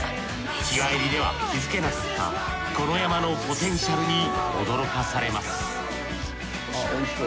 日帰りでは気づけなかったこの山のポテンシャルに驚かされます